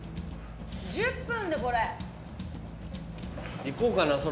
１０分でこれ。